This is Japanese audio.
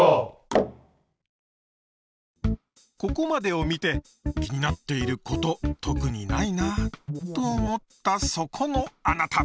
ここまでを見て「気になっていること特にないなあ」と思ったそこのあなた！